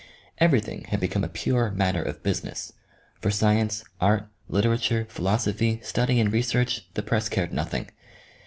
Everything had become a pure matter of business. For science, art, literature, philosophy, study and research, the press cared nothing.